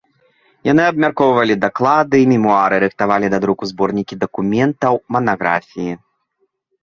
Яны абмяркоўвалі даклады і мемуары, рыхтавалі да друку зборнікі дакументаў, манаграфіі.